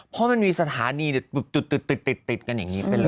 เพราะมันมีสถานีติดกันอย่างนี้